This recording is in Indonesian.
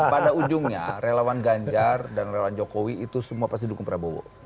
pada ujungnya relawan ganjar dan relawan jokowi itu semua pasti dukung prabowo